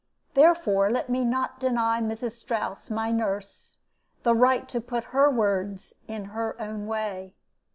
Therefore let me not deny Mrs. Strouss, my nurse, the right to put her words in her own way.